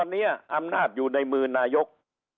ตอนนี้อำนาจอยู่ในมือนายก